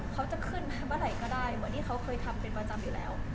เขาจะขึ้นเมื่อไหร่ก็ได้เหมือนที่เขาเคยทำเป็นประจำอยู่แล้ว